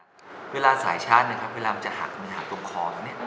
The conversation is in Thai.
แต่เวลาสายชาร์จครับเวลามันจะหาดตรงคอตรงนี้